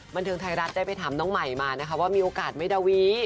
บันเทิงไทยรัฐได้ไปถามน้องใหม่มานะคะว่ามีโอกาสไหมดาวี